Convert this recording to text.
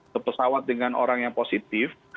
sepesawat dengan orang yang positif